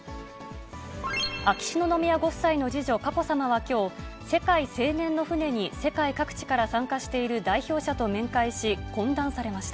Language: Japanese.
秋篠宮ご夫妻の次女、佳子さまはきょう、世界青年の船に世界各地から参加している代表者と面会し、懇談されました。